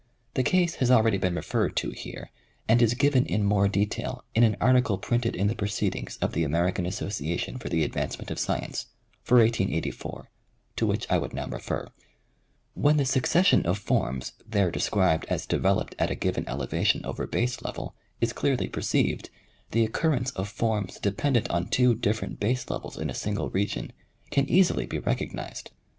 The case has already been referred to here and is given in more detail in an article printed in the proceedings of the American Association for the Advancement of Science, for 1884, to which I would now refer. When the succession of forms there described as developed at a given elevation over base level is clearly perceived, the occurrence of forms dependent on two different base levels in a single region can easily be recognized.